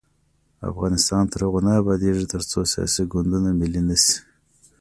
افغانستان تر هغو نه ابادیږي، ترڅو سیاسي ګوندونه ملي نشي.